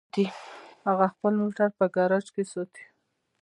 هغه خپل موټر په ګراج کې ساتي